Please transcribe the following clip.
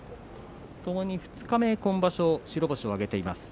ともに二日目、白星を挙げています。